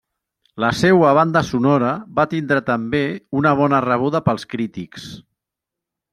La seua banda sonora va tindre també una bona rebuda pels crítics.